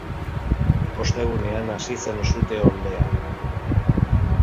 Ostegunean hasi zen sute oldea.